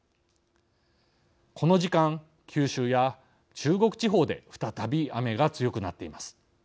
この時間九州や中国地方で再び雨が強くなっています。